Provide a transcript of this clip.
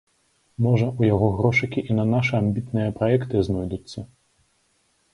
Можа, у яго грошыкі і на нашы амбітныя праекты знойдуцца?